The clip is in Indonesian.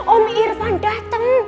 om irfan dateng